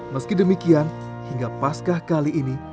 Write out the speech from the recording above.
meski demikian hingga pascah kali ini